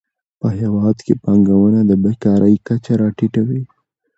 په هیواد کې پانګونه د بېکارۍ کچه راټیټوي.